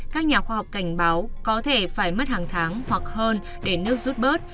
các nhà khoa học cảnh báo có thể phải mất hàng tháng hoặc hơn để nước rút bớt